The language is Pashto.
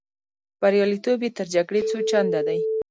بریالیتوب یې تر جګړې څو چنده دی.